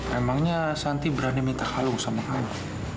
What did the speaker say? emangnya santi berani minta kalung sama kamu